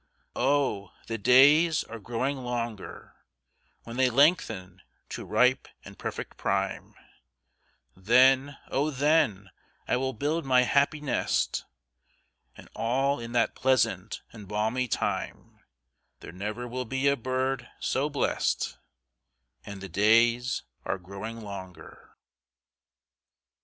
Oh, the days are growing longer; When they lengthen to ripe and perfect prime, Then, oh, then, I will build my happy nest; And all in that pleasant and balmy time, There never will be a bird so blest; And the days are growing longer.